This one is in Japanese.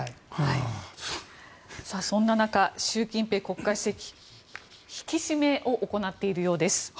そんな中、習近平国家主席引き締めを行っているようです。